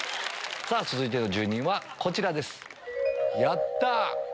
続いての住人はこちらです。